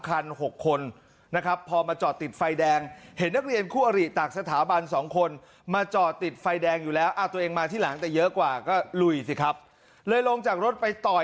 ๖คนนะครับพอมาจอดติดไฟแดงเห็นนักเรียนคู่อริต่างสถาบันสองคนมาจอดติดไฟแดงอยู่แล้วตัวเองมาที่หลังแต่เยอะกว่าก็ลุยสิครับเลยลงจากรถไปต่อย